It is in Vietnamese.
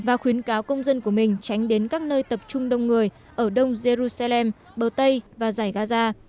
và khuyến cáo công dân của mình tránh đến các nơi tập trung đông người ở đông jerusalem bờ tây và giải gaza